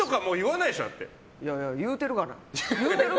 いやいや、言うてるがな。